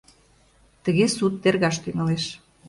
Тыге суд тергаш тӱҥалеш...